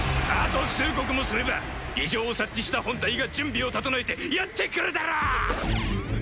あと数刻もすれば異常を察知した本隊が準備を整えてやって来るだろう！